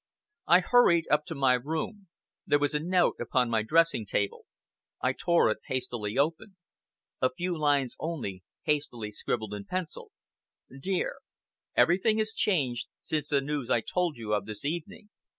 I hurried up to my room. There was a note upon my dressing table. I tore it hastily open. A few lines only, hastily scribbled in pencil: "DEAR! "Everything is changed since the news I told you of this evening.